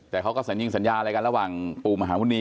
แต่เขาก็สัญญาอะไรกันระหว่างปูมหาวุณี